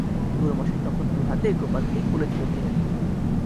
গুরুমশায় তখন দু-হাতে গোপালকে কোলে তুলে নিলেন।